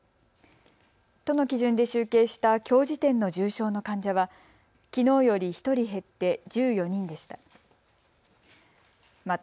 都の基準で集計したきょう時点の重症の患者はきのうより１人減って１４人でした。